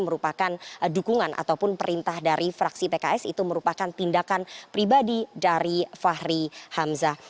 merupakan dukungan ataupun perintah dari fraksi pks itu merupakan tindakan pribadi dari fahri hamzah